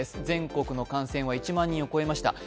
全国の感染は１万人を超えました。